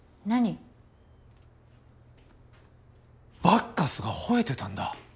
バッカスが吠えてたんだ。